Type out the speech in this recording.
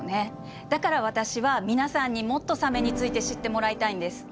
だから私は皆さんにもっとサメについて知ってもらいたいんです。